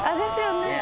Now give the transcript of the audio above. ねえ。